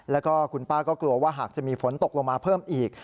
แล้วก็คุณป้าก็กลัวว่าหากจะมีฝนตกลงมาเพิ่มอีก